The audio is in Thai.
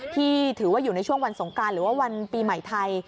ที่ถือว่าอยู่ในช่วงวันสงการหรือว่าวันปีใหม่ไทย